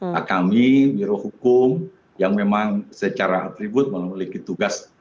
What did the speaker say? karena kami biroh hukum yang memang secara atribut memiliki tugas